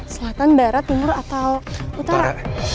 selatan barat timur atau utara